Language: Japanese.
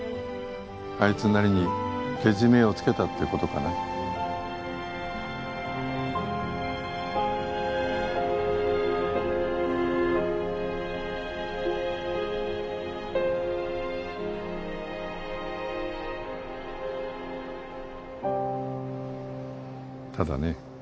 あいつなりにけじめをつけたってことかなただね